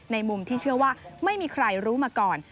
มุมที่เชื่อว่าไม่มีใครรู้มาก่อน